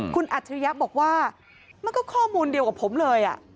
คุณอัจฉริยะบอกว่ามันก็ข้อมูลเดียวกับผมเลย